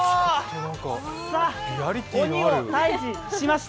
鬼を退治しました。